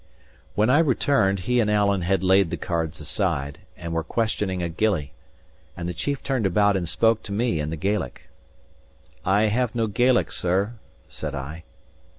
When I returned, he and Alan had laid the cards aside, and were questioning a gillie; and the chief turned about and spoke to me in the Gaelic. "I have no Gaelic, sir," said I.